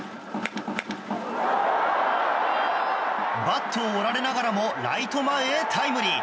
バットを折られながらもライト前へタイムリー。